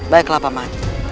baiklah pak man